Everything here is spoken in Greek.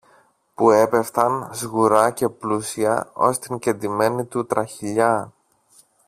που έπεφταν σγουρά και πλούσια ως την κεντημένη του τραχηλιά.